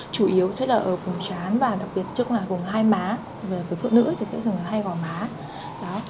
chủ yếu sẽ là ở vùng chán và đặc biệt chức là vùng hai má với phụ nữ thì sẽ thường là hai gò má